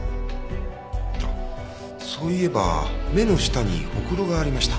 あそういえば目の下にほくろがありました。